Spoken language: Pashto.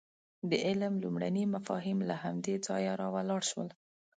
د علم لومړني مفاهیم له همدې ځایه راولاړ شول.